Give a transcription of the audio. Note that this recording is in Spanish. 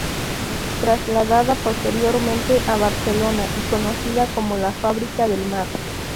Trasladada posteriormente a Barcelona y conocida como la Fábrica del Mar.